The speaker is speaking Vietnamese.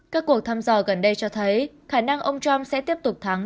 các cuộc thăm dò gần đây cho thấy khả năng ông trump sẽ tiếp tục thắng